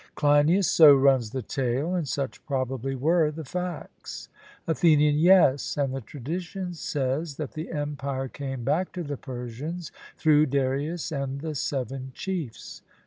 CLEINIAS: So runs the tale, and such probably were the facts. ATHENIAN: Yes; and the tradition says, that the empire came back to the Persians, through Darius and the seven chiefs.